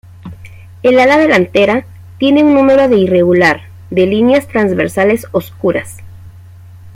El ala delantera tiene un número de irregular, de líneas transversales oscuras.